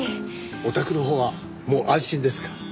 お宅のほうはもう安心ですから。